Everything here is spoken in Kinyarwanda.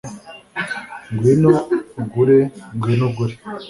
Ngwino ugure ngwino ugure